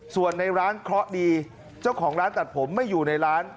ส่วนในร้านเคราะห์ดีเจ้าของร้านตัดผมไม่อยู่ในร้าน